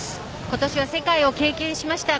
今年は世界を経験しました。